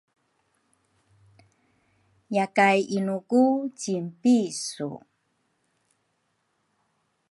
Yakay inu ku cinpi su?